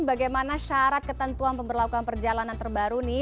bagaimana syarat ketentuan pemberlakuan perjalanan terbaru nih